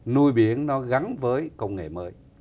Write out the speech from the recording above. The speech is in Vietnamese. nuôi biển nó gắn với công nghệ mới